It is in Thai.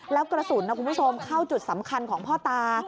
แล้วกระสุนคุณผู้ชมเข้าจุดสำคัญของพ่อตา